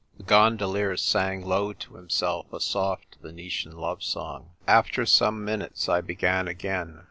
The gondolier sang low to himself a soft Venetian love song. After some minutes I began again.